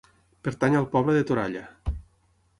Pertany al poble de Toralla.